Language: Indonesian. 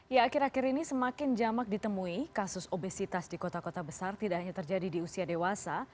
ya akhir akhir ini semakin jamak ditemui kasus obesitas di kota kota besar tidak hanya terjadi di usia dewasa